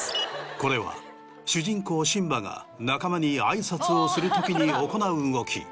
これは主人公シンバが仲間に挨拶をする時に行う動き。